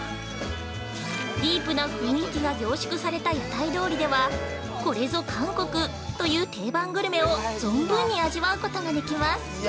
ディープな雰囲気が凝縮された屋台通りではこれぞ韓国という定番グルメを存分に味わうことができます。